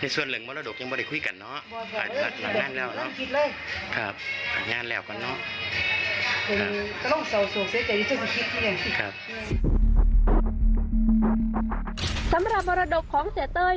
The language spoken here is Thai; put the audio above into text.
สำหรับมรดกของเสียเต้ย